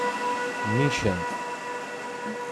Nican.